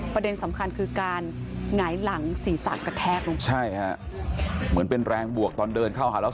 ประเด็นสำคัญคือการหงายหลังศีรษะกระแทกลงใช่ฮะเหมือนเป็นแรงบวกตอนเดินเข้าหาแล้ว